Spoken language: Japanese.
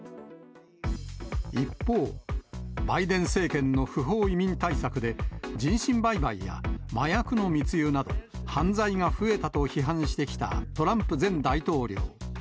一方、バイデン政権の不法移民対策で人身売買や麻薬の密輸など、犯罪が増えたと批判してきたトランプ前大統領。